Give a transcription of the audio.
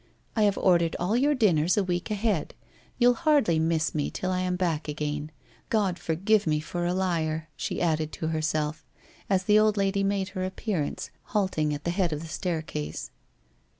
I have ordered all your dinners a week ahead. You'll hardly miss me till I am back again — God forgive me for a liar !' she added to herself, as the other old lady made her appear ance, halting at the head of the staircase.